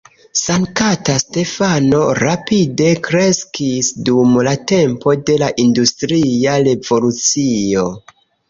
Sankta Stefano rapide kreskis dum la tempo de la industria revolucio.